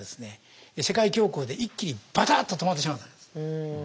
世界恐慌で一気にばたっと止まってしまったわけです。